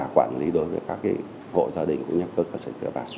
quản lý đối với các hộ gia đình cũng như các cơ sở chữa bản